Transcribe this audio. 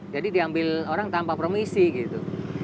jadi diambil orang tanpa promisi gitu